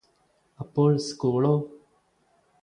അപ്പോൾ സ്കൂളോ